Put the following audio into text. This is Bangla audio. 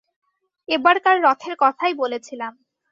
এবারকার রথের কথাই বলেছিলাম।